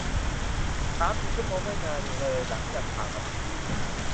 สามสี่ชั่วโมงไม่นานเลยหลังจากผ่านมาเป็นปี